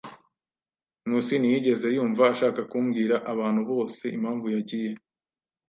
Nkusi ntiyigeze yumva ashaka kubwira abantu bose impamvu yagiye.